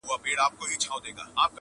o انسان انسان ته زيان رسوي تل,